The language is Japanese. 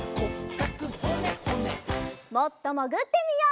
もっともぐってみよう。